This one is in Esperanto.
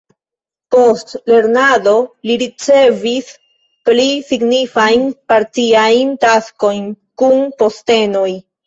Post lernado li ricevis pli signifajn partiajn taskojn kun postenoj.